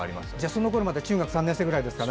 そのころまだ中学３年生ぐらいですかね。